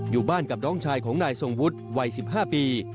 อยู่บ้านกับน้องชายของนายทรงวุฒิวัย๑๕ปี